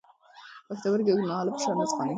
پښتورګي اوږدمهاله فشار نه زغمي.